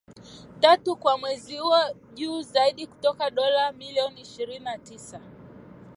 tatu kwa mwezi huo, juu zaidi kutoka dola milioni ishirni na tisa